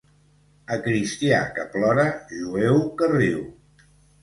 A cristià que plora, jueu que riu.